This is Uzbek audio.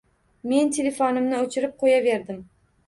Men telefonimni o'chirib qo'yaverdim